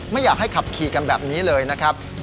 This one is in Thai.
ไม่อยากให้ขับขี่กันแบบนี้เลยนะครับ